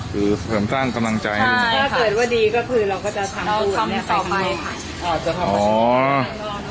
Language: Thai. คือสามารถสร้างกำลังใจใช่ค่ะถ้าเกิดว่าดีก็คือเราก็จะทำตัวเนี้ย